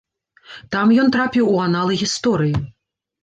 Там ён трапіў у аналы гісторыі.